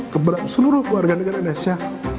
kepada seluruh warga negara indonesia